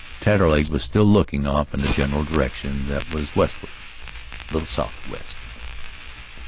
Taterleg was still looking off in a general direction that was westward, a little south of west.